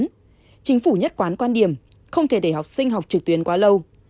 thứ hai chính phủ nhất quán quan điểm không thể để học sinh học trực tuyến quá lâu